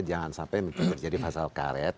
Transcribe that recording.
jangan sampai menjadi pasal karet